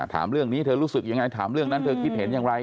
ถามเรื่องนี้เธอรู้สึกยังไงถามเรื่องนั้นเธอคิดเห็นอย่างไร